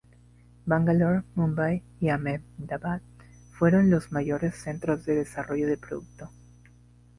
Bangalore, Mumbai y Ahmedabad fueron los mayores centros de desarrollo de producto.